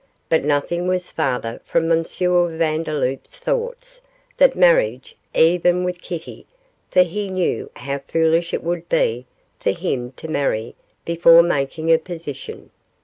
But nothing was farther from M. Vandeloup's thoughts than marriage, even with Kitty, for he knew how foolish it would be for him to marry before making a position.